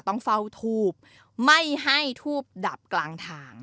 ต้องเฝ้าทูบไม่ให้ทูบดับกลางทาง